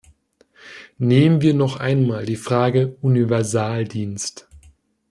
Nehmen wir noch einmal die Frage "Universaldienst" .